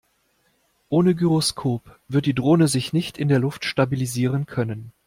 Ohne Gyroskop wird die Drohne sich nicht in der Luft stabilisieren können.